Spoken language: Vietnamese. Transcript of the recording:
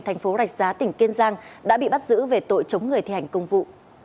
thành phố rạch giá tỉnh kiên giang đã bị bắt giữ về tội chống người thi hành công vụ